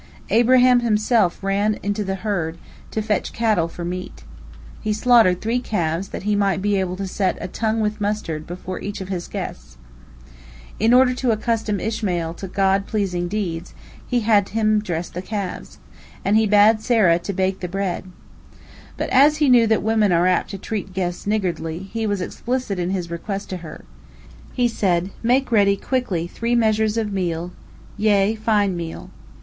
Abraham himself ran unto the herd, to fetch cattle for meat. He slaughtered three calves, that he might be able to set a "tongue with mustard" before each of his guests. In order to accustom Ishmael to God pleasing deeds, he had him dress the calves, and he bade Sarah bake the bread. But as he knew that women are apt to treat guests niggardly, he was explicit in his request to her. He said, "Make ready quickly three measures of meal, yea, fine meal."